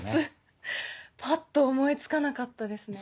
ぱっと思い付かなかったです鉄。